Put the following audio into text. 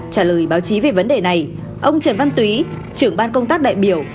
trả lời báo chí về vấn đề này ông trần văn túy trưởng ban công tác đại biểu